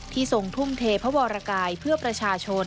ทรงทุ่มเทพระวรกายเพื่อประชาชน